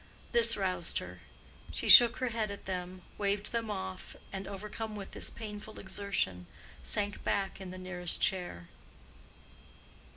This roused her: she shook her head at them, waved them off, and overcome with this painful exertion, sank back in the nearest chair.